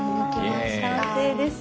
完成です。